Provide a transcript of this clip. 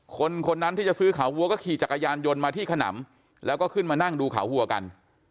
คนคนนั้นที่จะซื้อขาวัวก็ขี่จักรยานยนต์มาที่ขนำแล้วก็ขึ้นมานั่งดูขาววัวกัน